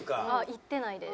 行ってないです。